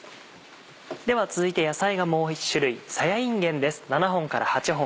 では続いて野菜がもう１種類さやいんげんです。